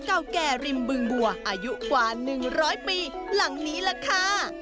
เก่าแก่ริมบึงบัวอายุกว่า๑๐๐ปีหลังนี้ล่ะค่ะ